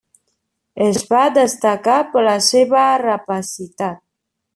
Es va destacar per la seva rapacitat.